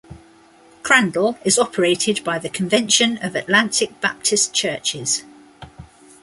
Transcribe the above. Crandall is operated by the Convention of Atlantic Baptist Churches.